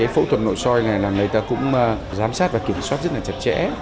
phẫu thuật nội soi này là người ta cũng giám sát và kiểm soát rất là chặt chẽ